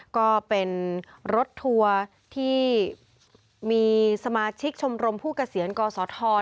ก็เป็นรถทัวร์ที่มีสมาชิกชมรมผู้เกษียณกศธ